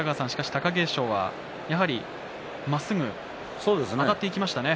貴景勝は、やはりまっすぐあたっていきましたね。